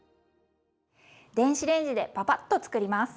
電子レンジでパパッと作ります。